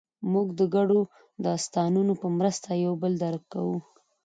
موږ د ګډو داستانونو په مرسته یو بل درک کوو.